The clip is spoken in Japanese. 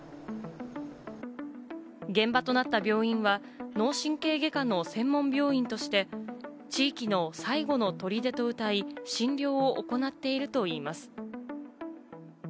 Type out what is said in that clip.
現場となった病院は、脳神経外科の専門病院として地域の最後の砦とうたい、診療を行っているといいます。